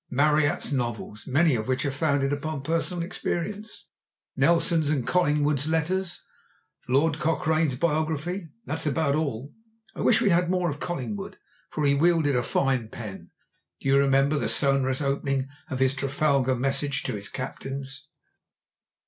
Marryat's novels, many of which are founded upon personal experience, Nelson's and Collingwood's letters, Lord Cochrane's biography—that is about all. I wish we had more of Collingwood, for he wielded a fine pen. Do you remember the sonorous opening of his Trafalgar message to his captains?